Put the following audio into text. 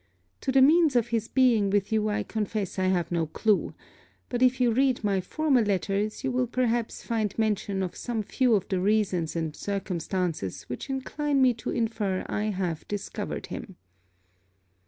To the means of his being with you I confess I have no clue; but if you read my former letters you will perhaps find mention of some few of the reasons and circumstances which incline me to infer I have discovered him.